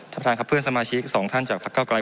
สำคัญครับเพื่อนสมาชิกสองท่านจากพรรคเก้าไกร